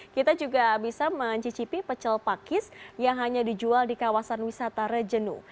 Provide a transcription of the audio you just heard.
kita juga bisa mencicipi pecel pakis yang hanya dijual di kawasan wisata rejenu